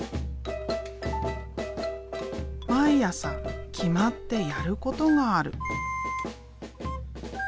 毎朝決まってやることがある。